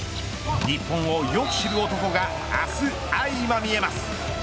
日本をよく知る男が明日、相まみえます。